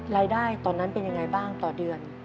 รายได้ตอนนั้นเป็นยังไงบ้างต่อเดือน